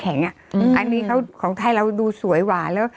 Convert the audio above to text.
แต่ในไทยคงดูสวยหวาน